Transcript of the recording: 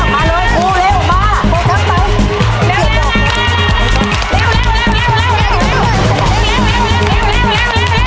ไม่ออก